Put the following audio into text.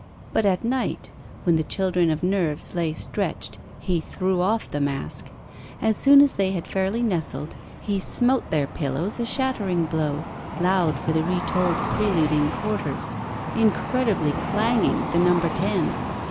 But at night, when the children of nerves lay stretched, he threw off the mask. As soon as they had fairly nestled, he smote their pillows a shattering blow, loud for the retold preluding quarters, incredibly clanging the number ten.